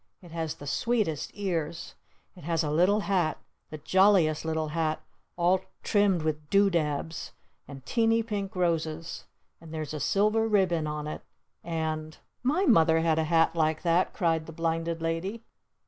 It has the sweetest ears! It has a little hat! The jolliest little hat! All trimmed with do dabs! And teeny pink roses! And there's a silver ribbon on it! And "My Mother had a hat like that!" cried the Blinded Lady.